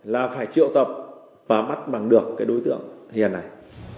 là phải triệu tập và bắt bằng được cái đối tượng hiền này